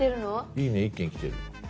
「いいね」１件来てる。